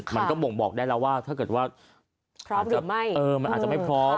มันก็บ่งบอกได้แล้วว่าถ้าเกิดว่ามันอาจจะไม่พร้อม